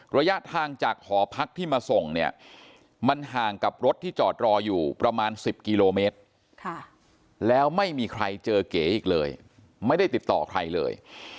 ระยะทางจากหอพักที่มาส่งเนี่ยมันห่างกับรถที่จอดรออยู่ประมาณ๑๐กิโลเมตรแล้วไม่มีใครเจอเก๋อีกเลยไม่ได้ติดต่อใครเลย